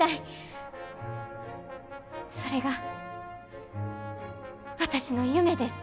それが私の夢です。